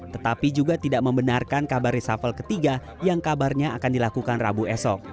tetapi juga tidak membenarkan kabar reshuffle ketiga yang kabarnya akan dilakukan rabu esok